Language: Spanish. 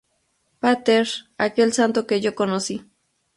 Pater, Aquel Santo que yo Conocí.